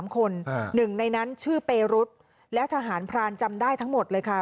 ๓คนหนึ่งในนั้นชื่อเปรุษและทหารพรานจำได้ทั้งหมดเลยค่ะ